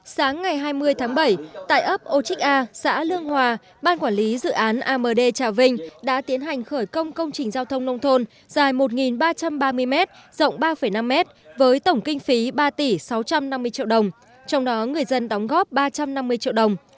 sáng ngày hai mươi tháng bảy tại ấp ô trích a xã lương hòa ban quản lý dự án amd trà vinh đã tiến hành khởi công công trình giao thông nông thôn dài một ba trăm ba mươi m rộng ba năm m với tổng kinh phí ba tỷ sáu trăm năm mươi triệu đồng trong đó người dân đóng góp ba trăm năm mươi triệu đồng